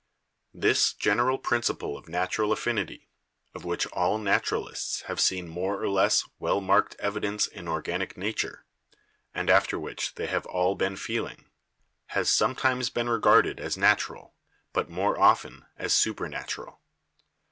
"This general principle of natural affinity, of which all naturalists have seen more or less well marked evidence in organic nature, and after which they have all been feeling, has sometimes been regarded as natural, but more often as supernatural.